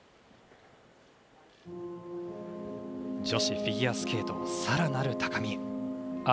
女子フィギュアスケートさらなる高みへ。